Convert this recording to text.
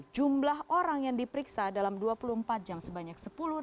jumlah orang yang diperiksa dalam dua puluh empat jam sebanyak sepuluh